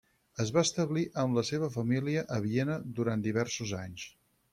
Es va establir amb la seva família a Viena durant diversos anys.